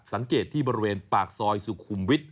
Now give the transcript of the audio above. สังเกตที่บริเวณปากซอยสุขุมวิทย